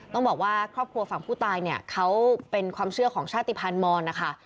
ต้องบอกว่าครอบครัวฝั่งผู้ตายเนี่ยเขาเป็นความเชื่อของชาติภัณฑ์มอนนะคะ